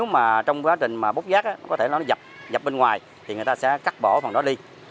mà trong quá trình mà bốc rác có thể nó dập dập bên ngoài thì người ta sẽ cắt bỏ phần đó đi